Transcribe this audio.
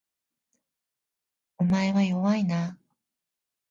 お前は弱いな